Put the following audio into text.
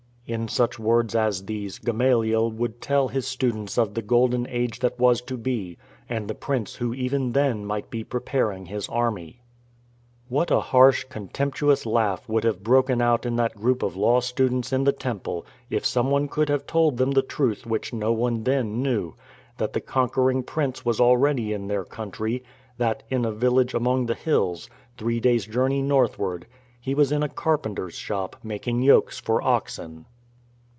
In such words as these Gamaliel would tell his students of the Golden Age that was to be, and the Prince who even then might be preparing his army. What a harsh, contemptuous laugh would have broken out in that group of Law students in the Temple if someone could have told them the truth which no one then knew — that the Conquering Prince was already in their country; that, in a village among the hills, three days' journey northward. He was in a carpenter's shop making yokes for oxen.